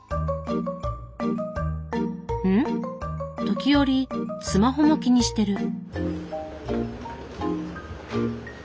時折スマホも気にしてる。